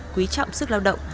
quý trọng sức lao động